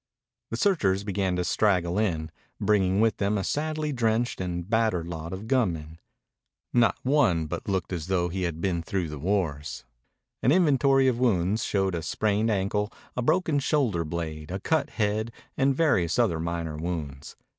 The searchers began to straggle in, bringing with them a sadly drenched and battered lot of gunmen. Not one but looked as though he had been through the wars. An inventory of wounds showed a sprained ankle, a broken shoulder blade, a cut head, and various other minor wounds.